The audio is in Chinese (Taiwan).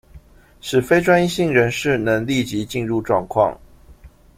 使非專業性人士能立即進入狀況